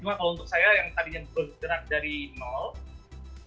cuma kalau untuk saya yang tadinya bergerak dari nol